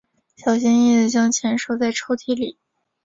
小心翼翼地将钱收在抽屉里